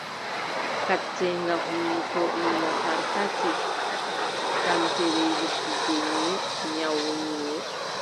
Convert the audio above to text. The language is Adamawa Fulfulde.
Kacceenga hunnduko oɗn nafar tati: tampere yiggugo nyiiʼe, nyawu nyiiʼe,